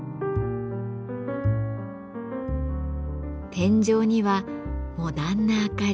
天井にはモダンな明かり。